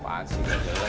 apaan sih gak jadi